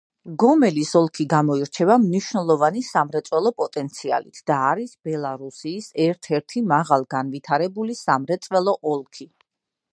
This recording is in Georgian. გომელის ოლქი გამოირჩევა მნიშვნელოვანი სამრეწველო პოტენციალით და არის ბელარუსიის ერთ-ერთი მაღალგანვითარებული სამრეწველო ოლქი.